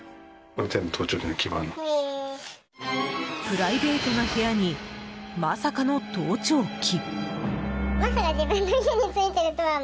プライベートな部屋にまさかの盗聴器。